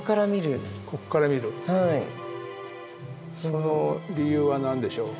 その理由は何でしょう？